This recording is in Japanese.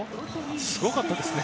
すごかったですね。